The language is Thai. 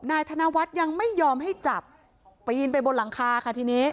นายธนวัฒน์ยังไม่ยอมให้จับปีนไปบนหลังคาค่ะทีนี้